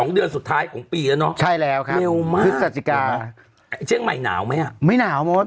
๒เดือนสุดท้ายของปีนะใช่แล้วค่ะเมียวมากพิสัจฯกาเชียงใหม่หนาวไหมไม่หนาว